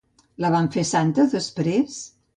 La van fer santa després?